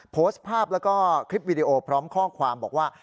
โพสต์ภาพแล้วก็คลิปวิดีโอพร้อมข้อความบอกว่า